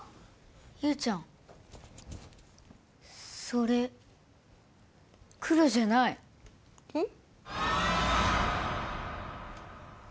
ユウちゃんそれ黒じゃないえっ？